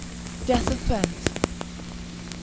Death of Friends.